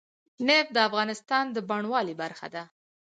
نفت د افغانستان د بڼوالۍ برخه ده.